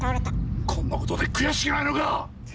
こんなことで悔しくないのか？